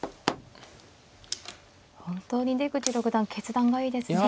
本当に出口六段決断がいいですよね。